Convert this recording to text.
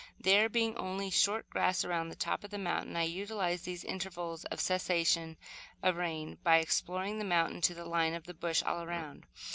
There being only short grass around the top of the mountain, I utilized these intervals of the cessation of rain by exploring the mountain to the line of the bush, all around.